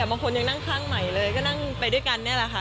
แต่บางคนยังนั่งข้างใหม่เลยก็นั่งไปด้วยกันนี่แหละค่ะ